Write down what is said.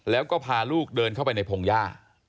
แล้วก็พาลูกเดินเข้าไปในพงหญ้า